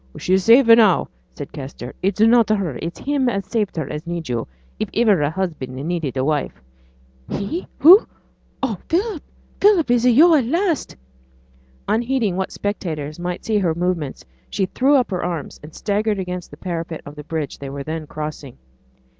'She's safe now,' said Kester. 'It's not her it's him as saved her as needs yo', if iver husband needed a wife.' 'He? who? O Philip! Philip! is it yo' at last?' Unheeding what spectators might see her movements, she threw up her arms and staggered against the parapet of the bridge they were then crossing.